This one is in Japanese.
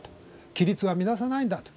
規律は乱さないんだと。